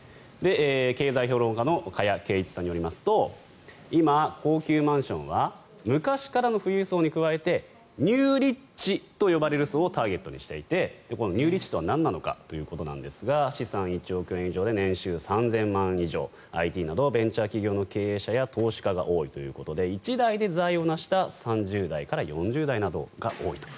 経済評論家の加谷珪一さんによりますと今、高級マンションは昔からの富裕層に加えてニューリッチと呼ばれる層をターゲットにしていてこのニューリッチとはなんなのかということですが資産１億円以上で年収３０００万円以上ＩＴなどベンチャー企業の経営者や投資家が多いということで１代で財を成した３０代から４０代などが多いと。